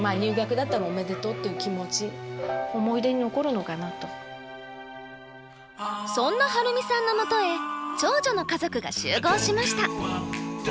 入学だったらそんな晴美さんのもとへ長女の家族が集合しました。